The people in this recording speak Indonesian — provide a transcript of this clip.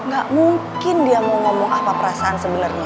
gak mungkin dia mau ngomong apa perasaan sebenarnya